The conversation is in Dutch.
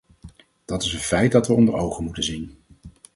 Dat is een feit dat we onder ogen moeten zien.